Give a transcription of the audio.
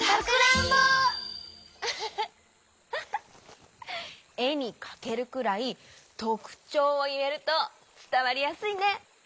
ウフフえにかけるくらいとくちょうをいえるとつたわりやすいね。